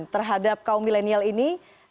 terhadap kaum milenial ini